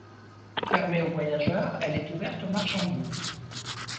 Fermée aux voyageurs, elle est ouverte aux marchandises.